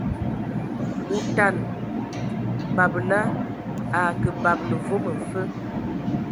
Otana, babela a a akǝ babǝla vom mfǝ.